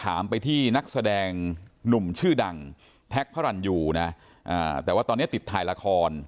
ถามไปที่นักแสดงหนุ่มชื่อดังแท็กพระรันยูนะแต่ว่าตอนนี้ติดถ่ายละคร